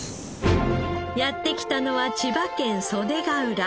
やって来たのは千葉県袖ケ浦。